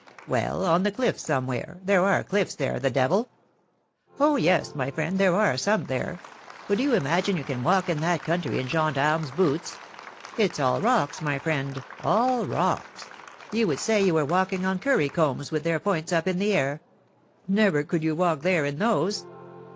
Well ! on the cliffs, somewhere; there are cliffs there, the de vil !' ^^^Oh! yes, my friend, there are some there! But do you imagine you can walk in that country in gendarme's boots? It's all rocks, my friend, all rocks! You would say you were walking on curry combs with their points up in the air ! Never could you walk there in those.